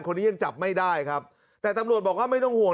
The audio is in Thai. คนนี้ยังจับไม่ได้ครับแต่ตำรวจบอกว่าไม่ต้องห่วง